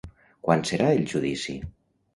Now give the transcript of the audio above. Quan serà el judici?